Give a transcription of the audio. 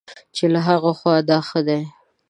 چې له هغوی خو دا هم ښه دی.